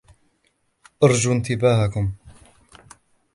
أرجو إنتباهكم!